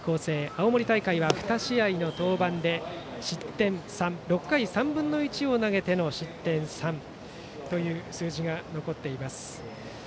青森大会は２試合の登板で６回３分の１を投げての失点３という数字が残っています。